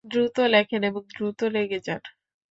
দ্রুত লেখেন এবং দ্রুত রেগে যান।